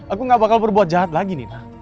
aku gak bakal berbuat jahat lagi nih